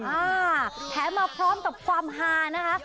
อ่าแถมมาพร้อมกับความฮานะคะ